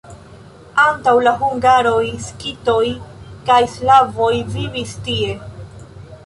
Antaŭ la hungaroj skitoj kaj slavoj vivis tie.